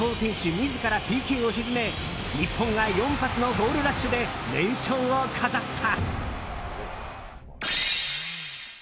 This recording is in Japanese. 自らＰＫを沈め日本が４発のゴールラッシュで連勝を飾った。